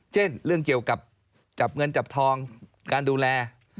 เช่นเรื่องเกี่ยวกับจับเงินจับทองการดูแล